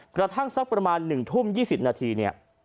กระทั่งสักประมาณ๑ทุ่ม๒๐นาทีเนี่ย